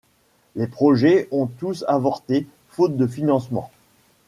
Les projets ont tous avorté, faute de financements.